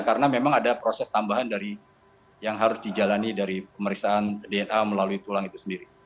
karena memang ada proses tambahan dari yang harus dijalani dari pemeriksaan dna melalui tulang itu sendiri